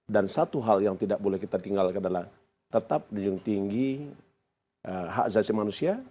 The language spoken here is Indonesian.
dan satu hal yang tidak boleh kita tinggalkan adalah tetap diujung tinggi hak jasa manusia